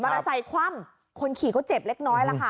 เตอร์ไซคว่ำคนขี่ก็เจ็บเล็กน้อยล่ะค่ะ